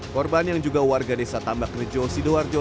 korban yang juga warga desa tambak rejo sidoarjo